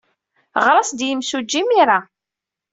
Ɣer-as-d i yemsujji imir-a.